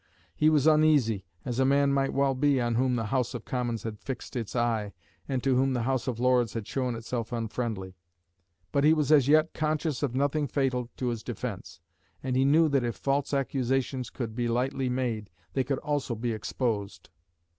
He was uneasy, as a man might well be on whom the House of Commons had fixed its eye, and to whom the House of Lords had shown itself unfriendly. But he was as yet conscious of nothing fatal to his defence, and he knew that if false accusations could be lightly made they could also be exposed.